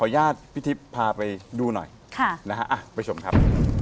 มาไปชมครับ